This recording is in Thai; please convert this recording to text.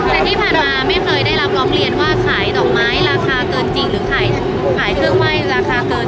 แต่ที่ผ่านมาไม่เคยได้รับร้องเรียนว่าขายดอกไม้ราคาเกินจริงหรือขายเครื่องไหว้ราคาเกิน